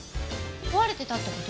壊れてたって事？